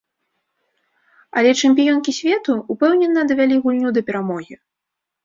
Але чэмпіёнкі свету ўпэўнена давялі гульню да перамогі.